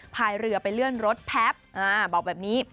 พายเรือไปเลื่อนรถแพ็ปบอกแบบนี้